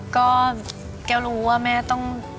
ก็แก้วรู้ว่าแม่ต้อง